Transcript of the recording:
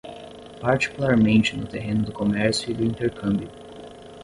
particularmente no terreno do comércio e do intercâmbio